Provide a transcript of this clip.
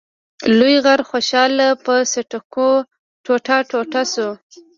لوی غر خوشحال په څټکو ټوټه ټوټه شو.